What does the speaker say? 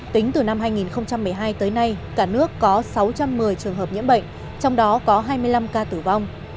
tính từ năm hai nghìn một mươi hai tới nay cả nước có sáu trăm một mươi trường hợp nhiễm bệnh trong đó có hai mươi năm ca tử vong